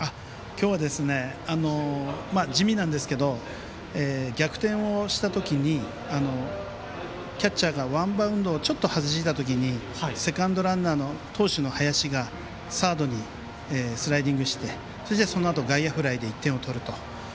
今日は地味なんですけど逆転をした時にキャッチャーがワンバウンドをちょっと外したときにセカンドランナーの投手の林がサードにスライディングして外野フライで１点を取ると。